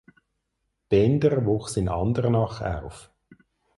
Bender wuchs in Andernach auf.